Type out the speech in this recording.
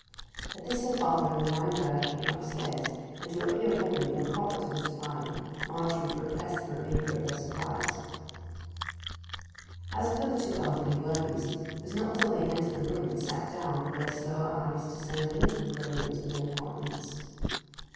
At this moment her father and the lime burner came upstairs; and to appear womanly and proper to Mr. Vine, Margery repressed the remainder of her surprise. As for the two elderly worthies, it was not till they entered the room and sat down that their slower eyes discerned anything brilliant in the appointments.